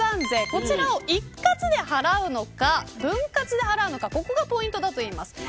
こちらを一括で払うのか分割で払うのかここがポイントだといいます。